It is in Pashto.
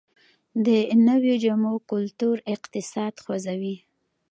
د نویو جامو کلتور اقتصاد خوځوي